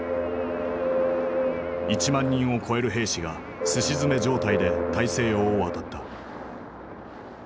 １万人を超える兵士がすし詰め状態で大西洋を渡った。